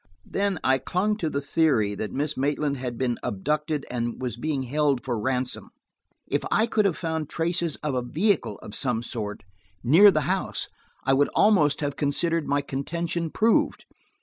Then–I clung to the theory that Miss Maitland had been abducted and was being held for ransom. If I could have found traces of a vehicle of any sort near the house, I would almost have considered my contention proved.